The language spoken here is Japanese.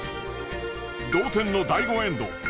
同点の第５エンド。